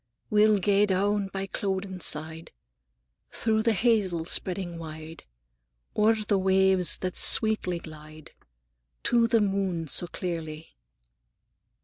"We'll gae down by Clouden's side, Through the hazels spreading wide, O'er the waves that sweetly glide, To the moon sae clearly.